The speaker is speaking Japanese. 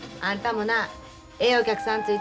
あんたもなええお客さん